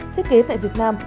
thiết kế tại việt nam